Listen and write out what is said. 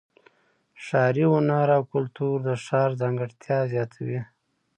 ښاري هنر او کلتور د ښار ځانګړتیا زیاتوي.